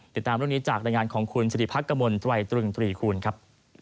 ติดตามเรื่องนี้จากรายงานของคุณสิริพักกมลตรายตรึงตรีคูณครับ